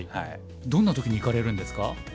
どんな時に行かれるんですか？